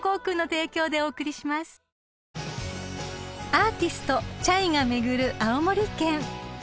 ［アーティストｃｈａｙが巡る青森県］